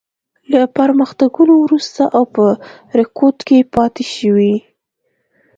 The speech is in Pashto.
له پرمختګونو وروسته او په رکود کې پاتې شوې.